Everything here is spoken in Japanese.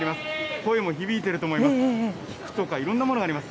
声も響いていると思います。